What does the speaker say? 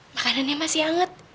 makanannya masih hangat